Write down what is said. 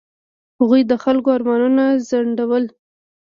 هغوی د خلکو ارمانونه ځنډول.